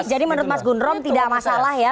menurut mas gundrom tidak masalah ya